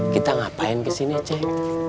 kita ngapain kesini ceng